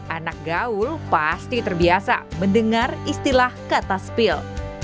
anak gaul pasti terbiasa mendengar istilah kata spill